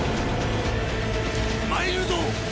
参るぞ！！